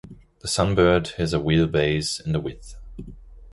The Sunbird has a wheelbase and a width.